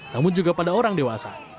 namun juga pada orang dewasa